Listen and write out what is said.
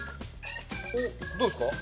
おっどうですか？